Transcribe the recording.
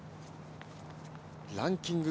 ランキング